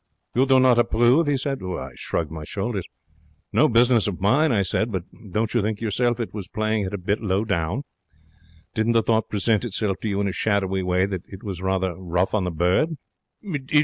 'You do not approve?' he said. I shrugged my shoulders. 'It's no business of mine,' I said. 'But don't you think yourself it was playing it a bit low down? Didn't the thought present itself to you in a shadowy way that it was rather rough on the bird?'